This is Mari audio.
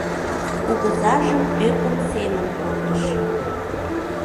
Кугызажым ӧкым семын пуртышым.